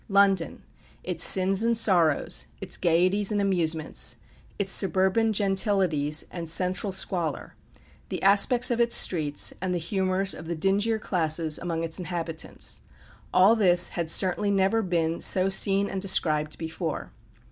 London its sins and sorrows, its gaieties and amusements, its suburban gentilities, and central squalor, the aspects of its streets, and the humours of the dingier classes among its inhabitants, all this had certainly never been so seen and described before.